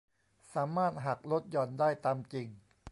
สามารถหักลดหย่อนได้ตามจริง